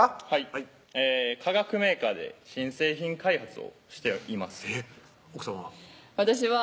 はい化学メーカーで新製品開発をしていますえっ奥さまは？